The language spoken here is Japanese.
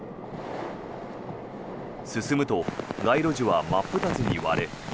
進むと街路樹は真っ二つに割れ